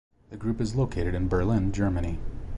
The group is located in Berlin, Germany.